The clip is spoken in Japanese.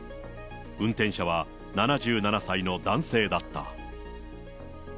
運転者は７７歳の男性だった。